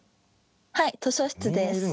はい図書室です。